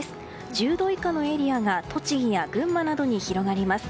１０度以下のエリアが栃木や群馬などに広がります。